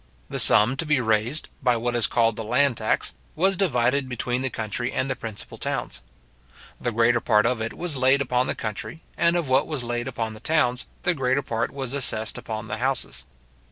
The sum to be raised, by what is called the land tax, was divided between the country and the principal towns. The greater part of it was laid upon the country; and of what was laid upon the towns, the greater part was assessed upon the houses.